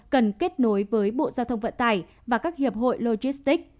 cần kết nối với bộ giao thông vận tải và các hiệp hội logistics